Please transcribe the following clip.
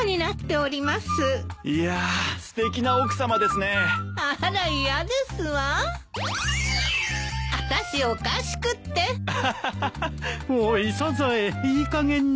おいサザエいいかげんに。